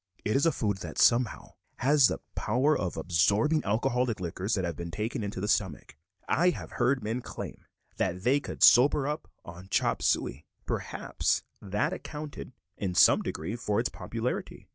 It is a food that, somehow, has the power of absorbing alcoholic liquors that have been taken into the stomach. I have heard men claim that they could sober up on chop suey. Perhaps that accounted, in some degree, for its popularity.